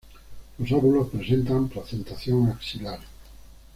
Los óvulos presentan placentación axilar.